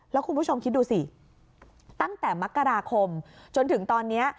แล้วคุณผู้ชมคิดดูสิตั้งแต่มกราคมจนถึงตอนนี้